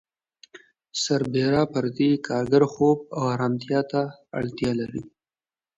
سربېره پر دې کارګر خوب او آرامتیا ته اړتیا لري